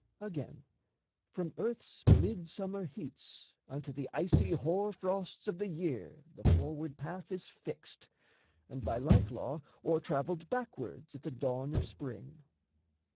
Again, from earth's midsummer heats Unto the icy hoar frosts of the year The forward path is fixed, and by like law O'ertravelled backwards at the dawn of spring.